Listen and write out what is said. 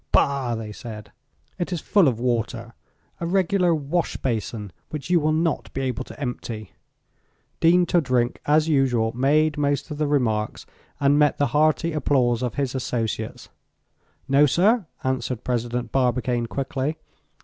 "Bah!" they said. "It is full of water, a regular washbasin which you will not be able to empty." Dean Toodrink as usual made most of the remarks and met the hearty applause of his associates. "No, sir," answered President Barbicane, quickly.